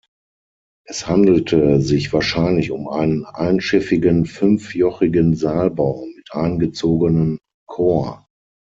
Es handelte sich wahrscheinlich um einen einschiffigen fünfjochigen Saalbau mit eingezogenen Chor.